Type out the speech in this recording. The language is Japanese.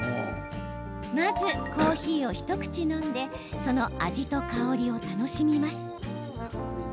まずコーヒーを一口飲んでその味と香りを楽しみます。